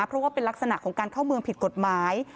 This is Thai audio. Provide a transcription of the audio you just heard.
เพราะว่าเป็นลักษณะของการเข้าเมืองผิดกฎหมาย